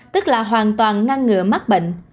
tức là hoàn toàn ngăn ngựa mắc bệnh